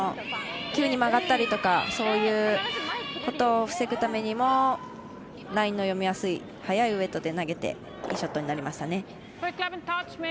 急に曲がったりとかそういうことを防ぐためにもラインの読みやすい速いウエイトで投げていいショットになりましたね。